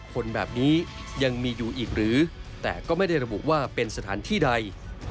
คนแบบนี้ยังมีอยู่อีกหรือแต่ก็ไม่ได้ระบุว่าเป็นสถานที่ใด